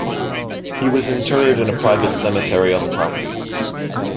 He was interred in a private cemetery on the property.